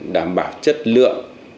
đảm bảo chất lượng